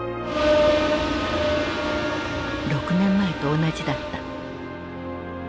６年前と同じだった。